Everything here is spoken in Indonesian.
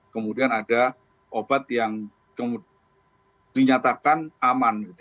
kemudian ada obat yang dinyatakan aman